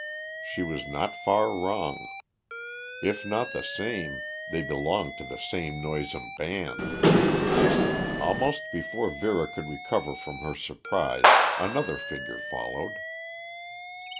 She was not far wrong. If not the same, they belonged to the same noisome band. Almost before Vera could recover from her surprise another figure followed.